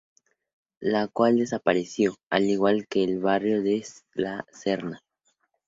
La cual desapareció, al igual que el barrio de La Serna.